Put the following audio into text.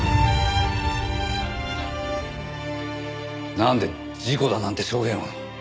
なんで事故だなんて証言を。